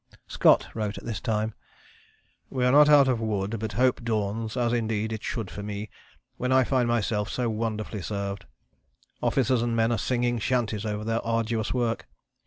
Scott wrote at this time: "We are not out of the wood, but hope dawns, as indeed it should for me, when I find myself so wonderfully served. Officers and men are singing chanties over their arduous work.